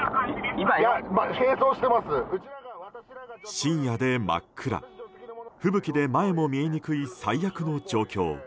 深夜で真っ暗、吹雪で前も見えにくい最悪の状況。